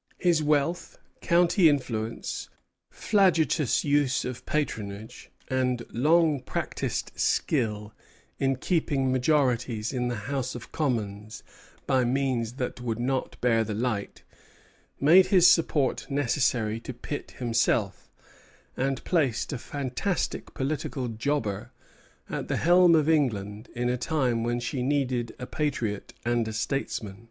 '" Walpole, George II., I. 344. His wealth, county influence, flagitious use of patronage, and long practised skill in keeping majorities in the House of Commons by means that would not bear the light, made his support necessary to Pitt himself, and placed a fantastic political jobber at the helm of England in a time when she needed a patriot and a statesman.